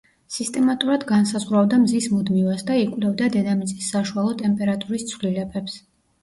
სისტემატურად განსაზღვრავდა მზის მუდმივას და იკვლევდა დედამიწის საშუალო ტემპერატურის ცვლილებებს.